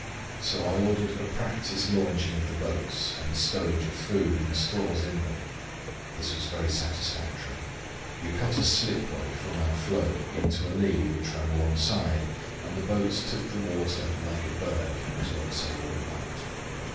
So I ordered a practice launching of the boats and stowage of food and stores in them. This was very satisfactory. We cut a slipway from our floe into a lead which ran alongside, and the boats took the water "like a bird," as one sailor remarked.